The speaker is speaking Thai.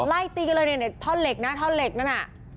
ไร้ตีกันเลยท่อนเหล็กนั้นอ่ะ